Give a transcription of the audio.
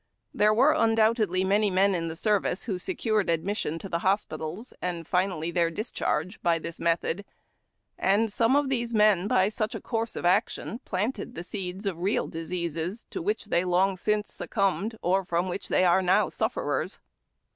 There were undoubtedly manv men in the service who secured admis sion to the hospitals, and finally their discharge, by this method; and some of these men, by such a course of action, planted the seeds of real diseases, to which they long since succumbed, or from which they are now sufferers.